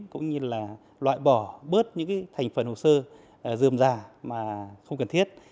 cũng như là loại bỏ bớt những thành phần hồ sơ dườm già mà không cần thiết